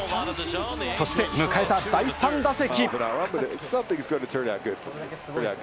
そして迎えた第３打席。